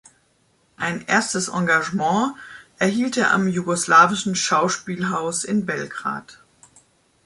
Ein erstes Engagement erhielt er am Jugoslawischen Schauspielhaus in Belgrad.